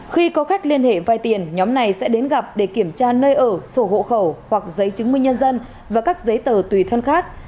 khi có khách liên hệ vai tiền nhóm này sẽ đến gặp để kiểm tra nơi ở sổ hộ khẩu hoặc giấy chứng minh nhân dân và các giấy tờ tùy thân khác